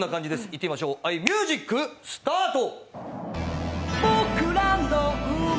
いってみましょう、ミュージックスタート！